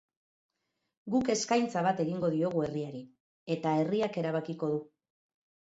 Guk eskaintza bat egingo diogu herriari, eta herriak erabakiko du.